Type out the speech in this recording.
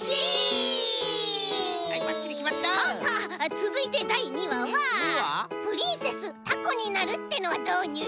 つづいてだい２わは「プリンセスタコになる」ってのはどうニュル？